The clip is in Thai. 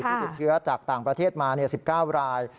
ติดเชื้อจากต่างประเทศมา๑๙ราย